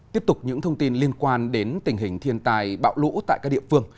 tiếp tục những thông tin liên quan đến tình hình thiên tài bạo lũ tại các địa phương